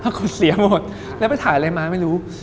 คุณเสียหมดแล้วไปถ่ายอะไรมาไม่รู้